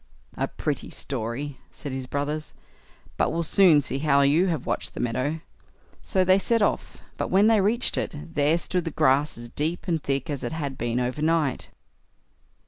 "A pretty story", said his brothers; "but we'll soon see how you have watched the meadow"; so they set off; but when they reached it, there stood the grass as deep and thick as it had been over night.